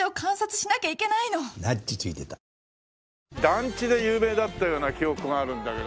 団地で有名だったような記憶があるんだけど。